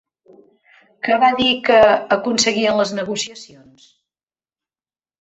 Què va dir que aconseguien les negociacions?